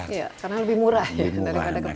karena lebih murah daripada ke pontianak